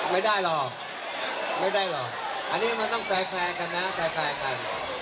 ไม่ได้หรอกไม่ได้หรอกอันนี้มันต้องแฟร์กันนะแฟร์กัน